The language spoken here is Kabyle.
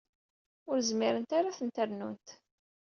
Ur zmirent ara ad ten-rnunt.